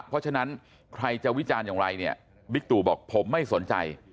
เพราะฉะนั้นใครจะวิจารณ์อย่างไรเนี่ยบิ๊กตู่บอกผมไม่สนใจ